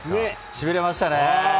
しびれましたね。